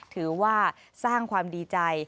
ถือว่าสร้างความดีใจ